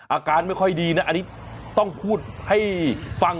อาการไม่ค่อยดีนะอันนี้ต้องพูดให้ฟัง